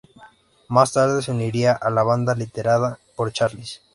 Más tarde, se uniría a la banda liderada por Charles.